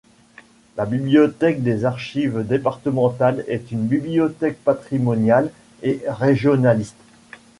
La bibliothèque des archives départementales est une bibliothèque patrimoniale et régionaliste.